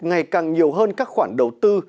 ngày càng nhiều hơn các khoản đầu tư